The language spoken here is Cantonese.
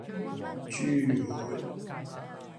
珠海